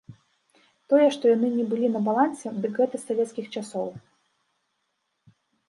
Тое, што яны не былі на балансе, дык гэта з савецкіх часоў.